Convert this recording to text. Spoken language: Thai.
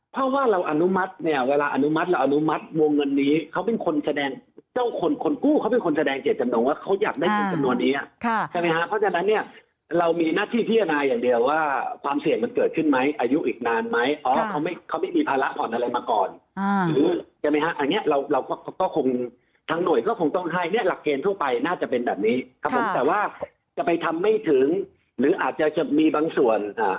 เพราะว่าเราอนุมัติเนี่ยเวลาอนุมัติแล้วอนุมัติวงเงินนี้เขาเป็นคนแสดงเจ้าคนคนกู้เขาเป็นคนแสดงเจตจำนวงว่าเขาอยากได้เงินจำนวนนี้ครับเพราะฉะนั้นเนี่ยเรามีหน้าที่เที่ยวนายอย่างเดียวว่าความเสี่ยงมันเกิดขึ้นไหมอายุอีกนานไหมเขาไม่มีภาระผ่อนอะไรมาก่อนทางหน่วยก็คงต้องให้เนี่ยหลักเกณฑ์ทั่วไปน